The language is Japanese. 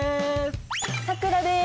さくらです！